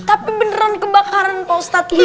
tapi beneran kebakaran pak ustadz